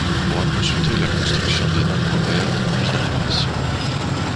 On pourra consulter la construction des nombres réels pour plus d'information.